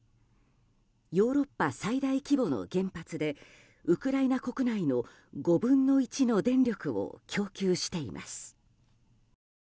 ヨーロッパ最大規模の原発でウクライナ国内の５分の１の電力を供給しています。